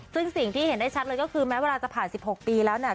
ซึ่งสิ่งที่เห็นได้ชัดเลยก็คือแม้เวลาจะผ่าน๑๖ปีแล้วเนี่ย